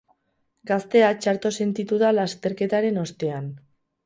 Gaztea txarto sentitu da lasterketaren ostean.